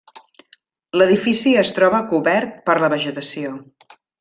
L'edifici es troba cobert per la vegetació.